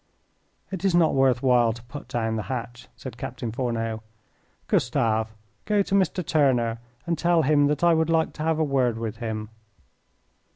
"It is not worth while to put down the hatch," said Captain Fourneau. "Gustav, go to Mr. Turner and tell him that I would like to have a word with him."